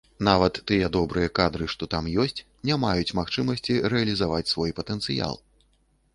Нават тыя добрыя кадры, што там ёсць, не маюць магчымасці рэалізаваць свой патэнцыял.